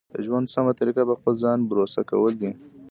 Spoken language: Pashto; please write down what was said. د ژوند سمه طریقه په خپل ځان بروسه کول دي.